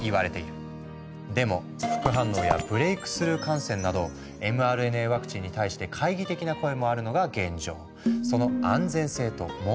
でも副反応やブレイクスルー感染などｍＲＮＡワクチンに対して懐疑的な声もあるのが現状。